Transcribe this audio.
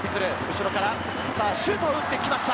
後ろからシュートを打ってきました！